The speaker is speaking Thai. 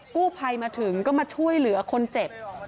กู้ภัยมาถึงก็มาช่วยเหลือคนเจ็บ